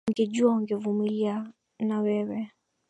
Wangejua wangevumilia na wewe